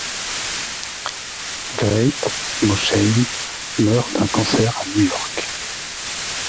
Grete Mosheim meurt d'un cancer à New York.